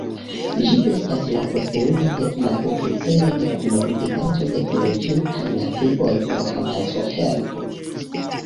Ĝi estas la posteulo de la Oficejo de Kunordiganto de Unuiĝintaj Nacioj por Katastrohelpo.